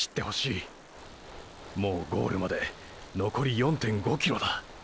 もうゴールまでのこり４．５ｋｍだ。